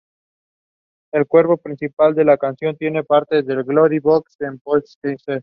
El cuerpo principal de la canción tiene partes de ""Glory Box"" de Portishead.